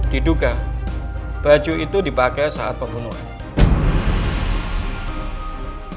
diduga baju itu dipakai saat pembunuhan